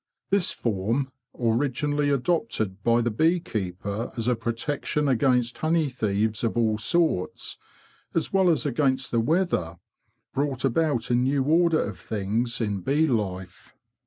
This form, originally adopted by the bee keeper as a protection 139 140 THE BEE MASTER OF WARRILOW against honey thieves of all sorts, as well as against the weather, brought about a new order of things in bee life.